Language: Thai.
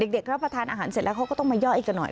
รับประทานอาหารเสร็จแล้วเขาก็ต้องมาย่อยกันหน่อย